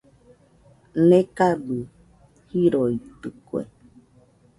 Nekabɨ jiroitɨkue.